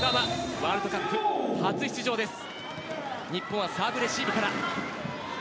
ワールドカップ初出場です。